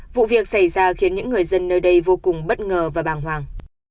vụ việc xảy ra khiến những người dân nơi đây vô cùng bất ngờ và bàng hoàng